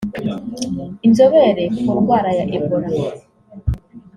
inzobere ku ndwara ya Ebola